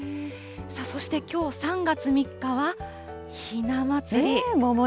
そしてきょう３月３日はひな祭り。